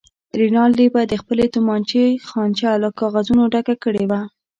رینالډي به د خپلې تومانچې خانچه له کاغذونو ډکه کړې وه.